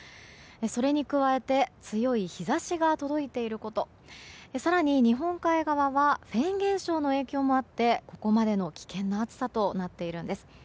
それに加えて強い日差しが届いていること更に日本海側はフェーン現象の影響もあってここまでの危険な暑さとなっているんです。